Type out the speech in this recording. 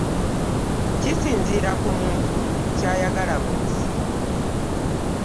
Kisinziira ku muntu ky'ayagala mu nsi.